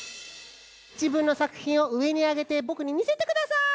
じぶんのさくひんをうえにあげてぼくにみせてください！